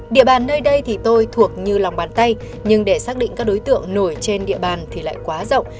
địa bàn nơi đây thì tôi thuộc như lòng bàn tay nhưng để xác định các đối tượng nổi trên địa bàn thì lại quá rộng